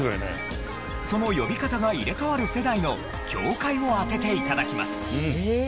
その呼び方が入れ替わる世代の境界を当てて頂きます。